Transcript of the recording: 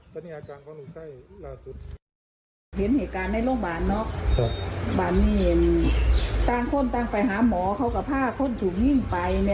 ก็ยังใช่ต้องขอดูบาดที่บ้านไปกับชิตี